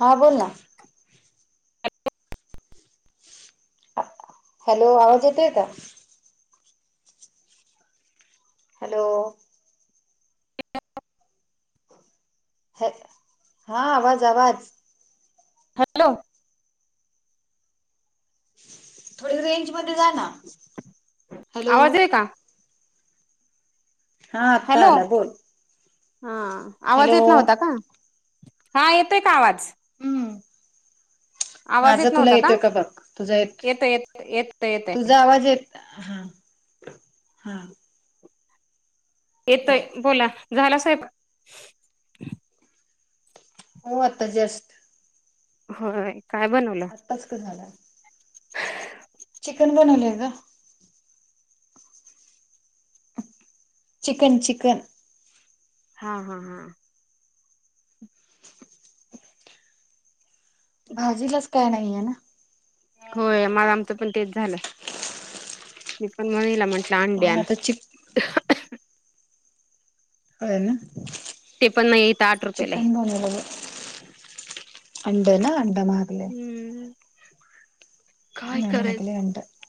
हा बोल ना. हॅलो! आवाज येतोय का? हॅलो! हँ हा आवाज आवाज. हॅलो! थोडी रेंज मध्ये जा ना. हॅलो. आवाज आहे का? हा आत्ता हॅलो आला बोल. हा आवाज हॅलो. येत नव्हता का? हा येतोय का आवाज. हम्म. आवाज माझा येत तुला नव्हता येतोय का बघ तुझा येतोय. येत येतोय येतोय तुझा आवाज येतोय. हा हा. बोल येतोय बोला झाला स्वयंपाक? हो, आता जस्ट. हो काय बनव आत्ताच का झालं चिकन बनवले का? चिकन चिकन हा हा हा भाजीलाच काय नाहीये ना होय मला आमचं पण तेच झालंय मी पण मणीला म्हंटलं अंडी त्यामुळे आता चिक आणा होन ते पण नाही इथं आठ रुपयाला चिकन आहे बनवलय अडं ना अंड मागे हम् काय नाही करायच महागलय अंड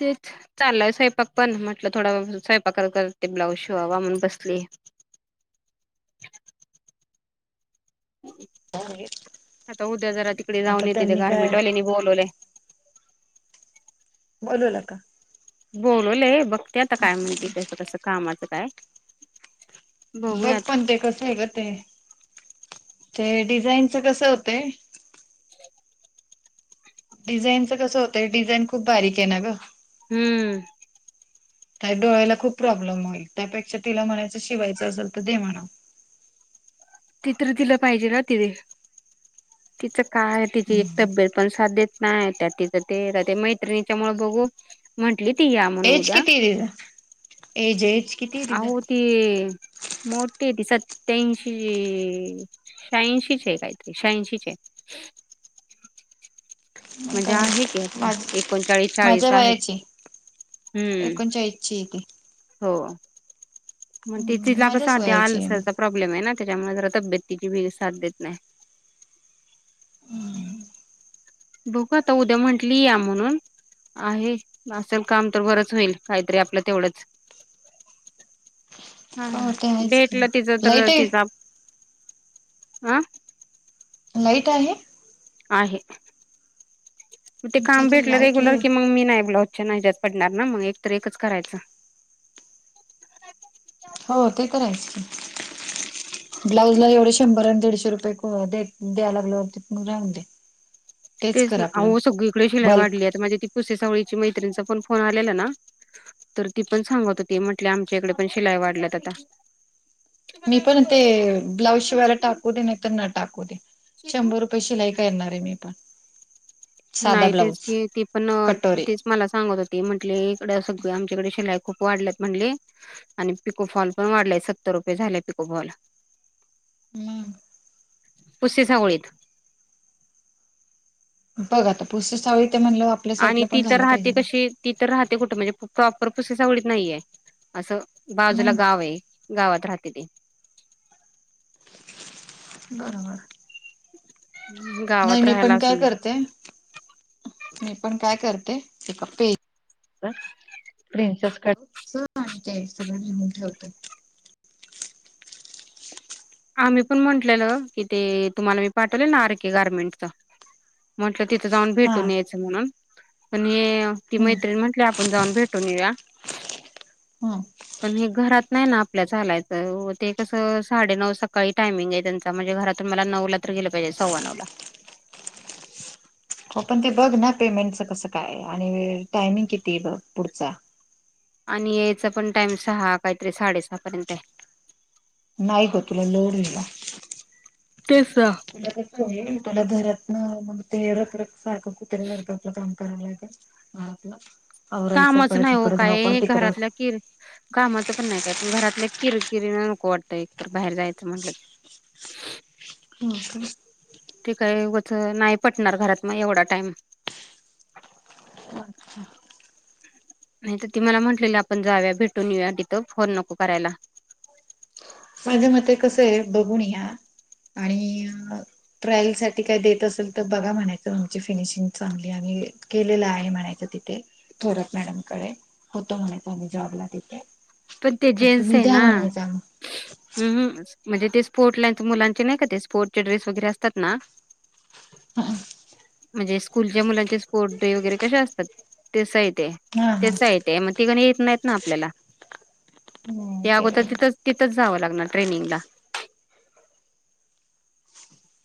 तेच चालय स्वयपांंक पण म्हटलं थोडा स्वयपांक करते ब्लाऊज शिवा वामून बसल्या. ह् होेय आता उद्या जरा तिकडे जाऊन येते ते गार्मेंटवालेनी बोलवलय बोलूला का? बोलवले बघते आता काय म्हणते कसं कसं कामाचं काय? बघ बघूयात पण ते कस आहे ग ते ते डिझाईनच कस होतय. डिझाईनचं कसं होतय डिझाईन खूप बारीक आहे ना गं हम्म का डोळ्याला खूप प्रॉब्लेम होईल त्यापेक्षा तिला म्हणायचं शिवायचं असेल तर ते म्हणाव. ति तर्र तिला पाहिजे ना तिथे तिचं काय तिची एक तब्येत पण साध्य देत नाही त्या तिथं ते ते मैत्रिणीच्या मुळ बघू म्हंटली ती या म्हण एज उद्या किती आहे तिचं एज एज किती आहे आहो तिचं ते मोठीे त सत्याऐंशी ह शहाऐंशीच आहे काहीतरी शहाऐंशीचे आहे. मग मजा आहे. काय माझ एकोणचाळीस चाळीस माझ्या आहे हम्म च ठीक हो मग ते हम्म तिला माझ्याच कसं वयाची आलसर आहे प्रॉब्लेम आहे ना त्याच्यामुळे ज तब्येततीची बग साथ देत नाही बघू आता उद्या म्हंटली या म्हणून आहे असेल काम तर बरंच होईल काहीतरी आपलं तेवढंच हा हो ते आहेच की भेटलं तिचं तर लाईट तिचां आहे आं लाईट आहे आहे मग ते आमच्या काम इथे भेटलं लाईट रेग्युलर लय कि मग मी नाही ब्लाज छ नाहीजत पडणार ना मग एक तर एकच करायचं हो ते करायच ब्लाउज ला एवढे शंभर आणि दीडशे रुपये द्याय लागल त राहून दे तेच कर ना आपलं अ सगळीकडे शिलाई बल्क वाढली आहेता माझ्या ती पुसे सावळीची मैत्रिणीचा पण फोन आलेला ना तर ती पण सांगत होती म्हट आमच्या इकडे पण शिलाई वाढल्यात आता मी पण ते ब्लाऊज शिवायला टाकू दे नाही तर न टाकू दे शंभर रुपये पैशीिलाय का येणार आहे मी पण साधा नाही तेच ब्लाऊज की ती पण कटोरी तेच मला सांगत होते म्हंटले इकडं सगळ आमच्याकडे शिलाय खूप वाढल्यात म्हटले आणि पिको फॉल पण वाढलाय सत्तर रुपये झालेय पिको फॉल हम्म पुसे सावळीत बघा आ पुूस साळी ते म्हणलं आपल्या आणि साईडला ती पण तर झालं राहते पाहिजे की कशी ती तर राहते कुठे म्हणजे प्रॉपर पोसेस आवडीत नाहीये असं बाजूला मग गाव आहे गावात राहते ते बरोबर नाही गावात मी राहायला पण काय असून करते मी पण काय करते तेप्प प्रिन्सेस कडे आणि ते सगळ रिमून ठेवते आम्ही पण म्हटलं की ते तुम्हाला मी पाठवले ना आर केे गार्मेंटच म्हटलं तिथं जाऊन हा भेटून यायचं म्हणून पण हे ती हम्म मैत्रिणी म्हटले आपण जाऊन भेट ूनरा हम्म पण हे घरात नाही ना आपल्या लायचं ते कसं साडे नऊ सकाळी टायमिंग आहे त्यांचा म्हणजे घरातून मला नऊला तर गेलं पाहिजे सव्वा नऊला हो पण ते बघ ना पेमेंटच कसं काय आणि टायमिंग किती आहे बघ पुढचा आणि यायचा पण टाइम सहा काहीतरी साडेसहा पर्यंत आहे नाही गो तुला लोडला केस तुला कसं आहे तुला घरातन मग ते रख रख सारखं कुत्र्या सारखं आपलं काम करायला का आपलं कामच नाही हो काय घरातल्या किर कामाचं पण नाही काय पण घरातल्या किरकिरी नको वाटतं एकतर बाहेर जायचं म्हटलं की ह हो का ते काही व नाही पटणार घरात मग एवढा टाइम नाही तर ती मला म्हटलेली आपण जाऊया भेटून येऊया तिथं फोन नको करायला माझ्या मते कस आहे बघून या आणि ट्रायल साठी काय देत असेल तर बघा म्हणायचं आमची फिनिशिंग चांगली आम्ही किले ल आहे मण क तिटे थोरात मॅडमकडे होत म्हणातो मी जॉबला देते पण ते जेन्स आहे ना म्हणजे ते स्पोर्ट लाचे मुलांचे नाही का ते स्पोर्टचे ड्रेस वगैरे असतात ना म्हणजे स्कूलच्या मुलांचे स्पोर्ट डे वगैरे कशा असतात ते अस येते हा हा त्याच येत मग तिकणी येत नाहीत ना आपल्याला ते अगोदर तिथं तिथंच जावं लागणार ट्रेनिंगला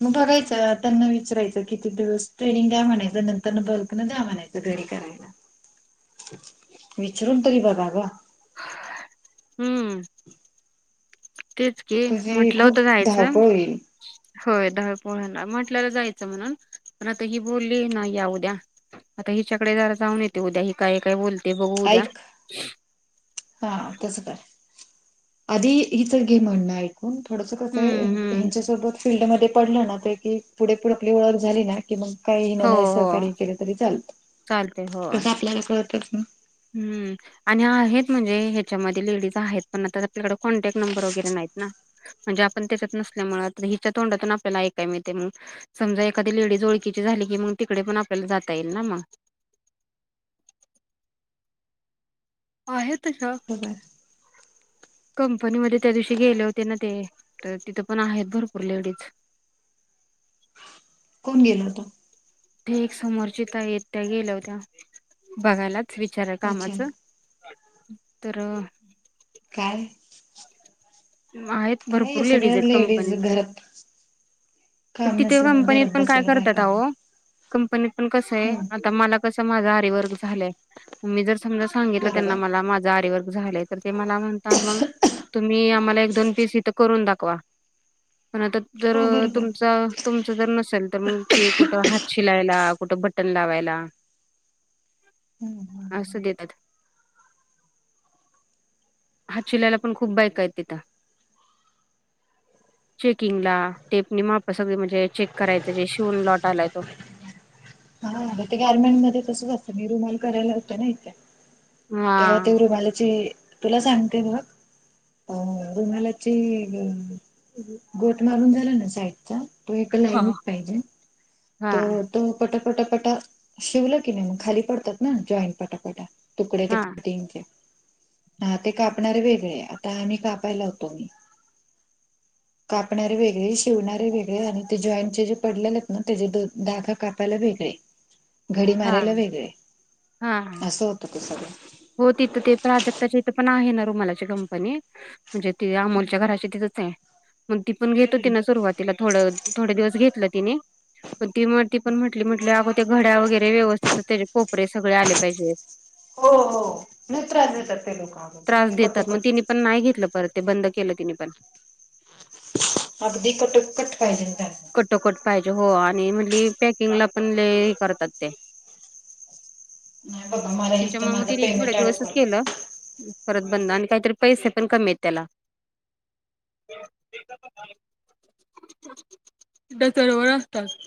मग बघायचं त्यांना विचारायचं किती दिवस ट्रेनिंग द्या म्हणायचं नंतर बल्क नं द्या म्हणायचं तुपेरी करा विचरून तरी बघा ग हम्म तेच की तुझी म्हटलं खूप होतं जायचं धावपळ होईल होय दवे पोळ्यांला म्हटल्याला जायचं म्हणून पण आता ही बोलली ना या उद्या आता हिच्याकडे जरा जाऊन येते उद्या हि काय काय बोलते बघू उद्या ऐक हा तस का आधी इतर गेम म्हणणं आहे ून थोडंस कसं आहे हम्म हम्म ह्यांच्यासोबत फीलल्ड म पडलं ना तर की पुढे पुढ आपली ओळख झाली ना कि मग काही नाही हो नाही हो सहकार्य केले तरी चालत चालते हो तसं आपल्यालासं वाटत ना हम्म आणि आहेत म्हणजे ह्याच्यामध्ये डीज आहेत पण आता आपल्याकडे कॉन्टॅक्ट नंबर वगैरे नाहीत ना म्हणजे आपण त्याच्यात नसल्यामुळे हिच्या तोंडातून आपल्याला ऐकाय मिळते मग समजा एखादी लेडीज ओळखीची झाली की मग तिकडे पण आपल्याला जाता येईल ना मग. आहे तिथं. बघाय. [inaudible] कंपनीमध्ये त्या दिवशी गेले होते ना ते, तर तिथं पण आहेत भरपूर लेडीज. कोण गेला होत. ते एक समोरची त्या येत त्या्या गेल्या होत्या बघायलाच विचारा अच्छा कामाचं. तर, काय आहेत. काय भरपूर लेडीज सगळ्या आहेत कंपनीत. घरात काम तिथे नसल्यामुळे कंपनीत घरात पण काय बसलेल्या करतात, बायकांना आहो! कंपनीत पण कसं आहे हम्म आता मला कस माझा आरीवर्क झालंय. मी जर समजा सांगितलं त्यांना बरोबर. मला माझा आरीवर्क झालंय. तर ते मला म्हणताात मग तुम्ही आम्हाला एक दोन पीस इथं करून दाखवा. पण आता जर, हो बरोबर. तुमचा तुमचं जर नसेल तर मग ते कुठं हात शिलायला, कुठं बटन लावायला. [inaudible] हम्! असं देतात. हात शिलाईला पण खूप बायकय आहे तिथं. चेकिंगला. टेप नि मा सगळी म्हणजे चेक करायचं जे शिवून लॉट आलाय तो, हा ते गार्मेंट मध्ये तसंच असतं मी रुमाल करायला होतं ना इथे. तेव ते हा. रुमालाची तुला सांगते बघ, अ रुणालाचे गोठ मारून झालं ना साईडचा. तो एका हा. लाईनीत पाहिजे. हा. तर तो पटापटापटा शिवला की नाही मग खाली पडतात ना जॉईंट पटापटा. तुकडे ते हा कटिंगचे, हा ते कापणारे वेगळे आता आम्ही कापायला होतो मी. कापणारे वेगळे, शिवणारे वेगळे, आणि ते जॉईंटचे जे पडलेले आहेत ना! त्याचे द दाखा कापायला वेगळे, घडी मारायला वेगळे, हां. असं होतं त सगळं. हो तिथं ते प्राजक्ताची इथं पण आहे ना रुमालाची कंपनी. म्हणजे ती अमोलच्या घराची तिथंच आहे. मग ती पण घेत होती ना सुरवात तिला थोडं थोडे दिवस घेतलं तिने, पण ती म ती पण म्हटली म्हटली अगो ते घड्या वगैरे व्यवस्थितच कोपरे सगळे आले पाहिजे. हो हो नेत्रेतात ते लोक त्रास देतात मग कटोकट, तिने पण नाही घेतलं. परत ते बंद केलं तिने पण. अगदी कटो कट पाहिजे ना त्यांना. कटोकट पाहिजे हो, आणि म्हणजली पॅकिंगला पणलय करतात ते, नाही बाबा मला त्याच्या इथ म म माझा तिने थोडे पेमेंट दिवसच अडकवला केलं. परत बंद आणि काहीतरी पैसे पण कमी आहेत त्याला. सरवर असतात.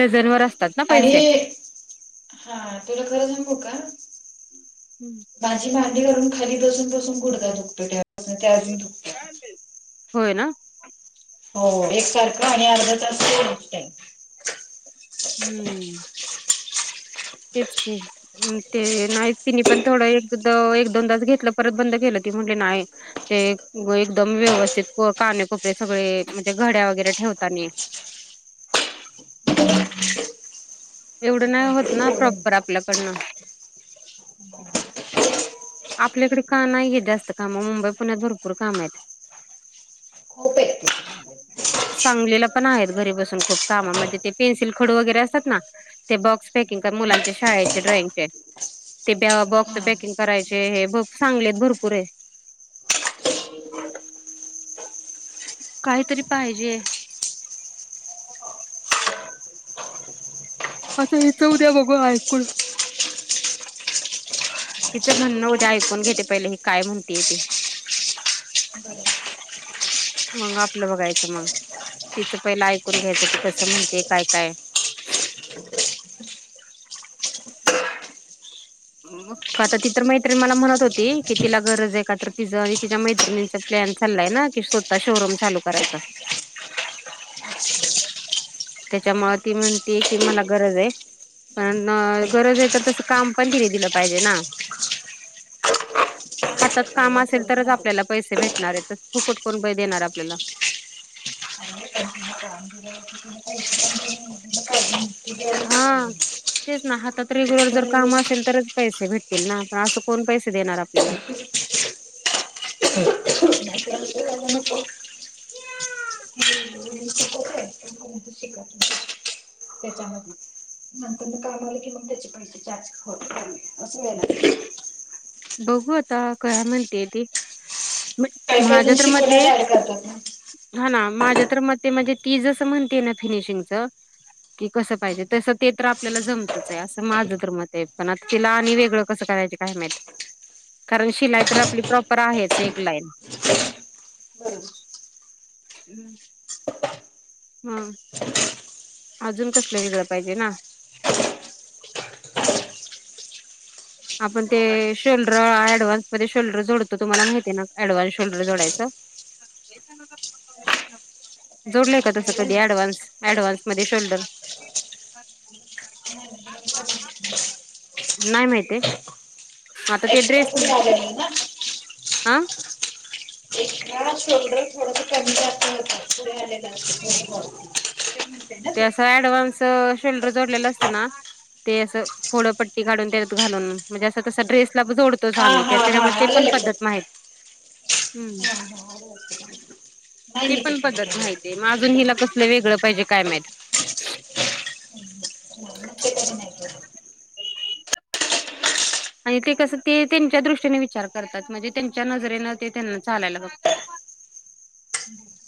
डझन वर असत. आणि हा तुला खरं सांगू का? हम्म. माझी मांडी घालून न खाली बसून बसून गुडघा दुकतो त्याून ते अजून दुकतो. होय ना! हो, एकसारखं आणि अर्धा तास ट हम्म तेच. म ते नाही तिने पण थोडं एक एक दोनदाास घेतलं परत बंद केलं ती म्हटली नाही. ते एकदम व्यवस्थित कानेकोपरे सगळे म्हणजे घड्या वगैरे ठेवतानी ह एवढं नाही होत ना प्रॉपर आपल्याकडनं आपल्याकडे का नाहीय जास्त काम मुंबई पुण्यात भरपूर काम आहेत. उपयक् सांगलीला पण आहेत. घरी बसून खूप कामामध्ये ते पेन्सिल खडू वगैरे असतात ना. ते बॉक्स पॅकिंग मुलांच्या शाळेचे ड्रॉइंगचे ते बॉक्स हा पॅकिंग करायचे. े हे चांगलेत भरपूर आहे. काहीतरी पाहिजे. आता हेच उद्या बघू ऐकूून तिचं म्हणणं उद्या ऐकून घेते पहिले ही काय म्हणतेय ते मग आपलं बघायचं मग तिचं पहिलं ऐकून घ्यायचं ती कसं म्हणते काय? काय? काता ति तर मैत्रिणी मला म्हणत होती. की तिला गरज आहे का तर तिचं आणि तिच्या मैत्रिणीच प्लॅन चाललाय. ना कि स्वतः शोरूम चालू करायचा त्याच्यामुळे ती म्हणतीय की मला गरज आहे. पण गरज आहे तर तसं काम पण तिने दिलं पाहिजे ना हातात काम असेल त्याच्यामध्ये तरच आपल्याला पैसे भेटणार आहेत फुकुट कोण ब देणार आपल्याला अ हा तेच ना हातात रेग्युलर जर काम असेल तरच पैसे भेटतील ना पण असं कोण पैसे देणार आपल्याला श करत नंतर कामाला किव त्याचे पैसे चारज होतं अस ना बघू आता काय म्हणतेय ती काय काय माझ्या जण तर मते शिकवण्यात ऍड करतात ना हा ना माझ्या तर म ते म्हणजे ती जसं म्हणतेय ना फिनिशिंगच कि कसं पाहिजे तसं ते तर आपल्याला जमतच आहे असं माझं तर मत आहे पण आता तिला आणि वेगळं कसं करायच अहमेद कारण शिला तर आपली प्रॉपर आहेच एक लाईन हा हम्म हम अजून कसलं वगळं पाहिजे ना आपण ते शोल्डर ऍडव्हान्स मध्ये शोल्डर जोडतो तुम्हाला माहिती आहे ना ऍडव्हान्स शोल्डर जोडायचं जोडलेय का तस बरोबर कधी डव्हान्स डव्हान्स मध्ये शोल्डर ह नाही माहिित आहे आता ते एक्स्ट्रा ड्रेस पुढे आलेलं ना हं एका शोल्डर थोड कमी जात होता पुे आलेला अस थ ते असं ऍडव्हान्स शोल्डर जोडलेलं असतं ना ते असं फोड पट्टी काढून त्यात घालून म्हणजे असं तस ड्रेसला जोडतोच हा आम्ही हा हा त्याच्या ते आलं पण लक्षात पद्धत माहिती हम्म नाही ते मी पण कधी केले पद्धत माहित आहे नाही मग अजून हिला कसलं वेगळं पाहिजे काय माहित मी ते कधी नाही केले आणि ते कसं ते त्यांच्या दृष्टीने विचार करतात म्हणजे त्यांच्या नजरेनं ते त्यांना चालायला लागतात